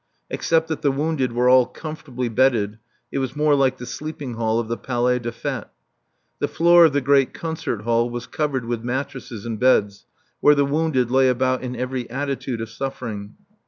Except that the wounded were all comfortably bedded, it was more like the sleeping hall of the Palais des Fêtes. The floor of the great concert hall was covered with mattresses and beds, where the wounded lay about in every attitude of suffering.